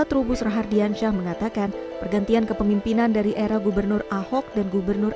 trubus rahardiansyah mengatakan pergantian kepemimpinan dari era gubernur ahok dan gubernur